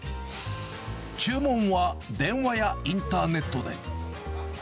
注文は電話やインターネットで。